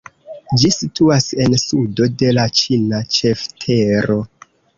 Ĝi situas en sudo de la ĉina ĉeftero.